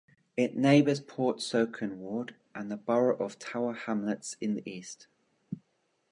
It neighbours Portsoken ward and the borough of Tower Hamlets in the east.